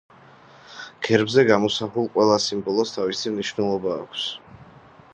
გერბზე გამოსახულ ყველა სიმბოლოს თავისი მნიშვნელობა აქვს.